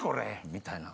みたいな。